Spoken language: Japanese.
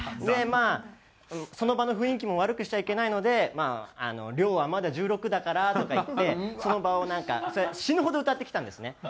まあその場の雰囲気も悪くしちゃいけないので「凌央はまだ１６だから」とか言ってその場をなんかそれ死ぬほど歌ってきたんですね。